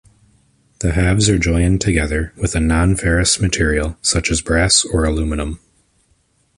The halves are joined together with a non-ferrous material such as brass or aluminium.